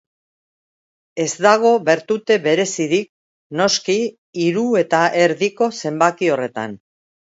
Ez dago bertute berezirik, noski, hiru eta erdiko zenbaki horretan.